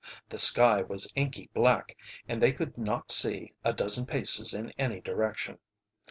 The sky was inky black, and they could not see a dozen paces in any direction.